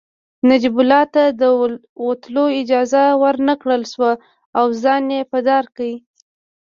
نجیب الله ته د وتلو اجازه ورنکړل شوه او ځان يې په دار کړ